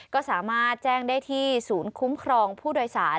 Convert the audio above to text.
ก็สามารถแจ้งได้ที่ศูนย์คุ้มครองผู้โดยสาร